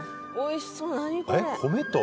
おいしそう。